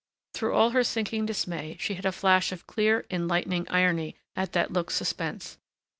Through all her sinking dismay she had a flash of clear, enlightening irony at that look's suspense.